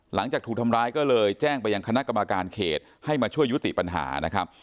หลังจากถูกทำร้ายก็เลยแจ้งไปยังคณะกรรมการเขตให้มาช่วยยุติปัญหานะครับ